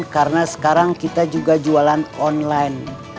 karena sekarang kita juga jualan online